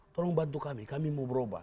tolong bantu kami kami mau berubah